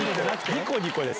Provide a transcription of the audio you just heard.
ニコニコです。